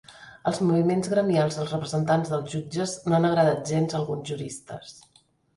Els moviments gremials dels representants dels jutges no han agradat gens a alguns juristes.